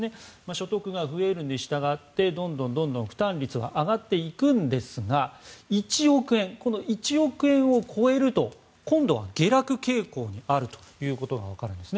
所得が増えるにしたがってどんどん負担率が上がっていくんですが１億円、この１億円を超えると今度は下落傾向にあるということがわかるんです。